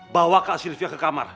bawa kak sylvia ke kamar